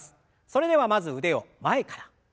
それではまず腕を前から。